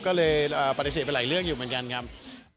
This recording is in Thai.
ก็เลยปฏิเสธไปหลายเรื่องอยู่เหมือนกันครับ